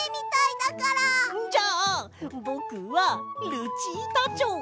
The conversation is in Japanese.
じゃあぼくは「ルチータチョウ」。